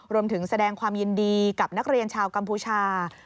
รวมถึงแสดงความยินดีกับนักเรียนชาวกัมพูชา